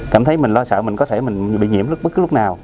cảm thấy mình lo sợ mình có thể bị nhiễm bất cứ lúc nào